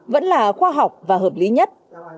vẫn là khoa học và hợp lý nhất